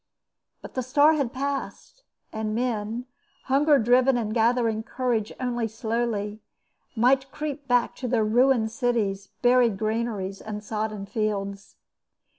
But the star had passed, and men, hunger driven and gathering courage only slowly, might creep back to their ruined cities, buried granaries, and sodden fields.